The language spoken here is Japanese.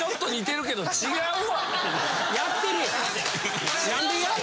やってるやん。